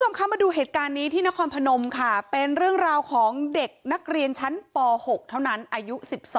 คุณผู้ชมคะมาดูเหตุการณ์นี้ที่นครพนมค่ะเป็นเรื่องราวของเด็กนักเรียนชั้นป๖เท่านั้นอายุ๑๒